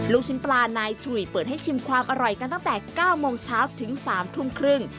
ลูกชิ้นปลานายฉุยเปิดให้ชิมความอร่อยกันตั้งแต่๙โมงเช้าถึง๓ทุ่มครึ่ง